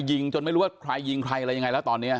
จนไม่รู้ว่าใครยิงใครอะไรยังไงแล้วตอนนี้